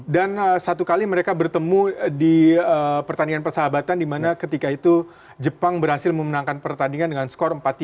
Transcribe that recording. dan satu kali mereka bertemu di pertandingan persahabatan dimana ketika itu jepang berhasil memenangkan pertandingan dengan skor empat tiga